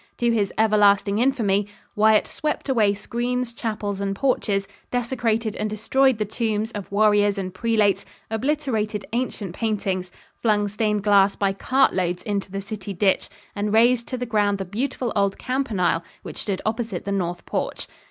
To his everlasting infamy, "Wyatt swept away screens, chapels and porches, desecrated and destroyed the tombs of warriors and prelates, obliterated ancient paintings; flung stained glass by cart loads into the city ditch; and razed to the ground the beautiful old campanile which stood opposite the north porch."